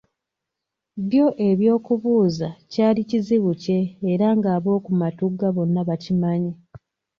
Byo eby’okubuuza kyali kizibu kye era nga ab’oku Matugga bonna bakimanyi.